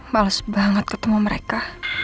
males banget ketemu mereka